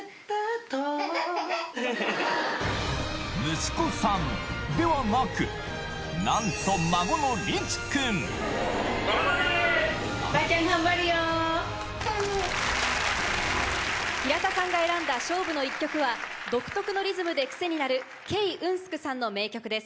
息子さんではなくなんと平田さんが選んだ勝負の１曲は独特のリズムで癖になる桂銀淑さんの名曲です。